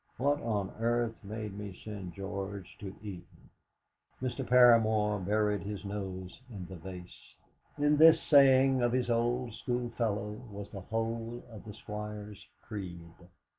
What on earth made me send George to Eton?" Mr. Paramor buried his nose in the vase. In this saying of his old schoolfellow was the whole of the Squire's creed